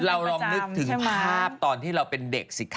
เราลองนึกถึงภาพตอนที่เราเป็นเด็กสิคะ